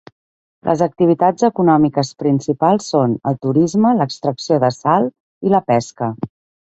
Les activitats econòmiques principals són el turisme, l'extracció de sal i la pesca.